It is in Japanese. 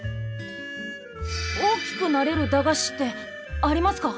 大きくなれる駄菓子ってありますか？